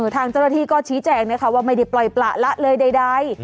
ทางเจ้าหน้าที่ก็ชี้แจงนะคะว่าไม่ได้ปล่อยประละเลยใด